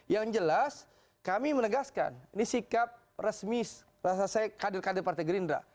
yang jelas kami menegaskan ini sikap resmi rasa saya kd pantai gerinda